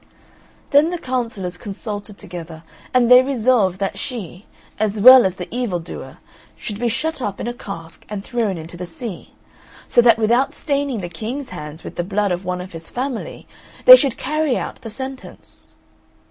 Then the Councillors consulted together and they resolved that she, as well as the evil doer, should be shut up in a cask and thrown into the sea; so that without staining the King's hands with the blood of one of his family, they should carry out the sentence.